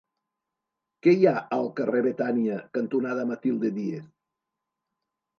Què hi ha al carrer Betània cantonada Matilde Díez?